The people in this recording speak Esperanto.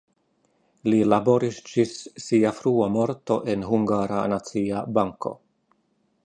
Li laboris ĝis sia frua morto en Hungara Nacia Banko.